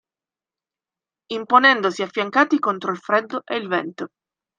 Imponendosi affiancati contro il freddo e il vento.